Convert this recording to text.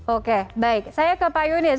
oke baik saya ke pak yunis